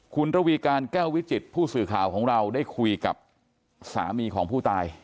คุณระวีการแก้ววิจิตผู้สื่อข่าวของเราได้คุยกับสามีของผู้ตาย